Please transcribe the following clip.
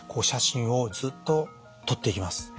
写真をずっと撮っていきます。